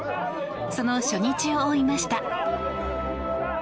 その初日を追いました。